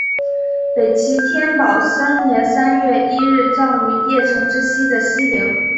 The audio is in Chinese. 北齐天保三年三月一日葬于邺城之西的西陵。